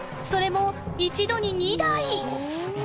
それも一度に２台］